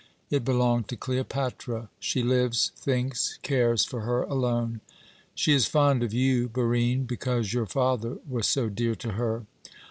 It belonged to Cleopatra. She lives, thinks, cares for her alone. She is fond of you, Barine, because your father was so dear to her.